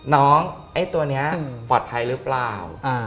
ไอ้ตัวนี้ปลอดภัยหรือเปล่า